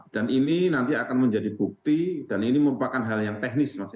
dan ini nanti akan menjadi bukti dan ini merupakan hal yang teknis mas